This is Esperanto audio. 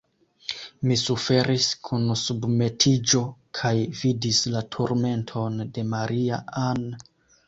Mi suferis kun submetiĝo, kaj vidis la turmenton de Maria-Ann.